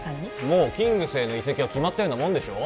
もうキングスへの移籍は決まったようなもんでしょ？